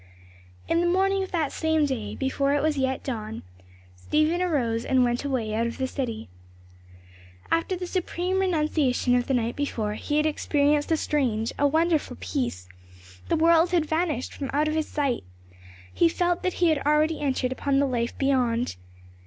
In the morning of that same day, before it was yet dawn, Stephen arose and went away out of the city. After the supreme renunciation of the night before, he had experienced a strange, a wonderful peace: the world had vanished from out his sight; he felt that he had already entered upon the life beyond.